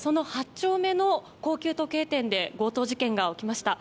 丁目の高級時計店で強盗事件が起きました。